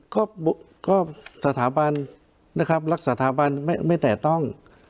ก็ก็สถาบันนะครับรักสถาบันไม่ไม่แต่ต้อง